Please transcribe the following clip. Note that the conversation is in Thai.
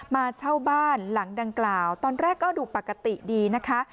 มาเช่าบ้านหลังดังกล่าวตอนแรกก็ดูปกติดีนะคะ